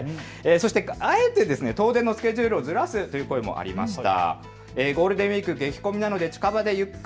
そしてあえて遠出のスケジュールをずらすという声もありました。